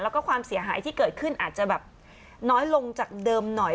แล้วก็ความเสียหายที่เกิดขึ้นอาจจะแบบน้อยลงจากเดิมหน่อย